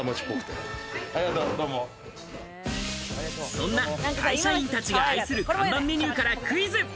そんな会社員たちが愛する看板メニューからクイズ！